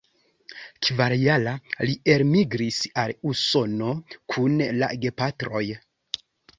Kvarjara, li elmigris al Usono kun la gepatroj.